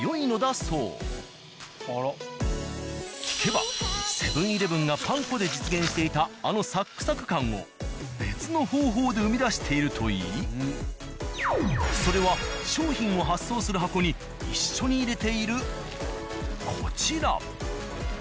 聞けばセブン−イレブンがパン粉で実現していたあのサックサク感を別の方法で生み出しているといいそれは商品を発送する箱に一緒に入れているこちら。